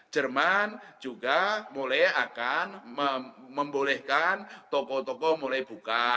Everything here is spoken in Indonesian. jerman juga mulai akan membolehkan toko toko mulai buka